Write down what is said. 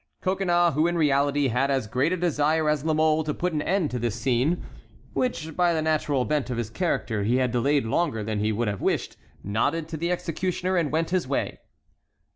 Coconnas, who in reality had as great a desire as La Mole to put an end to this scene, which by the natural bent of his character he had delayed longer than he would have wished, nodded to the executioner and went his way.